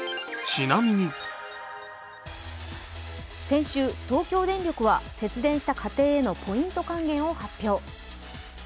先週、東京電力は節電した家庭へのポイント還元を発表。